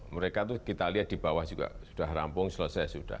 mereka itu kita lihat di bawah juga sudah rampung selesai sudah